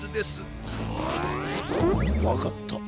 わかった。